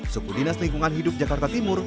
suku dinas lingkungan hidup jakarta timur